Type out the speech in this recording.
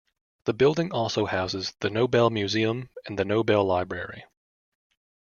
The building also houses the Nobel Museum and the Nobel Library.